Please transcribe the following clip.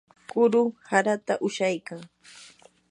kuru harata ushaykan.